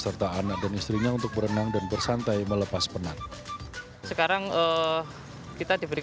serta anak dan istrinya untuk berenang dan bersantai melepas penat sekarang kita diberi